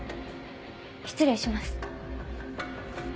失礼します。